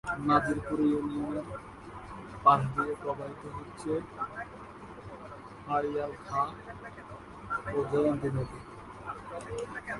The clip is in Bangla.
নাজিরপুর ইউনিয়নের পাশ দিয়ে প্রবাহিত হচ্ছে আড়িয়াল খাঁ ও জয়ন্তী নদী।